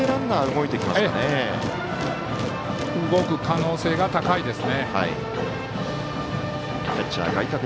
動く可能性が高いです。